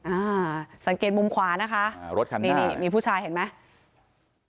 อ่าสังเกตมุมขวานะคะอ่ารถคันนี้นี่นี่มีผู้ชายเห็นไหม